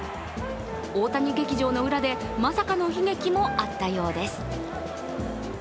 大谷劇場の裏でまさかの悲劇もあったようです。